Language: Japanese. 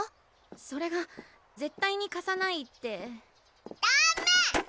それが絶対にかさないってだーめ！